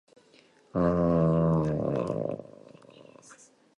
He was born in North Hollywood, California and raised in Sherman Oaks, California.